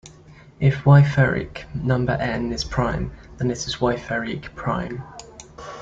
If Wieferich number "n" is prime, then it is a Wieferich prime.